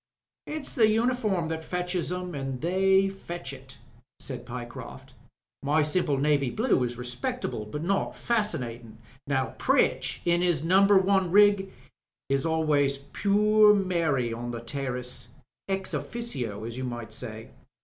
''It's the uniform that fetches 'em, an' they fetch it," said Pyecroft. "My simple navy blue is respectable, but not fasdnatin'. Now Pritch in 'is Number One rig is always 'purr Mary, on the terrace' ea: ojfUno as you might say."